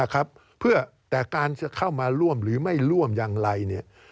แต่การจะเข้ามาร่วมหรือไม่ร่วมอย่างไรเนี่ย